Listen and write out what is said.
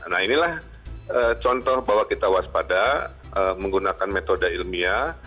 nah inilah contoh bahwa kita waspada menggunakan metode ilmiah